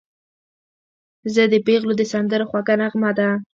ژبه د پېغلو د سندرو خوږه نغمه ده